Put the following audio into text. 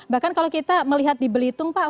bahkan kalau kita melihat di belitung pak